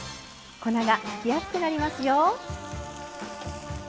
粉がふきやすくなりますよ。